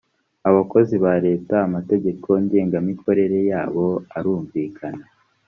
abakozi ba leta amategeko ngengamikorere yabo arumvikana